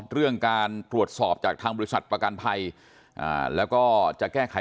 เรื่องการตรวจสอบจากทางบริษัทประกันภัยแล้วก็จะแก้ไข